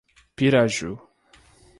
Piraju